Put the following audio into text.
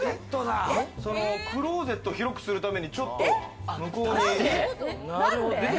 クローゼットを広くするために、ちょっと向こうに。